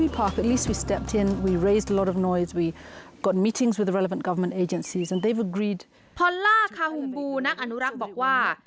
พอล่าคาฮูบูนักอนุรักษ์บอกว่า